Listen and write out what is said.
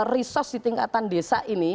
resource di tingkatan desa ini